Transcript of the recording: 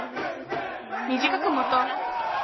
みじかくもとう。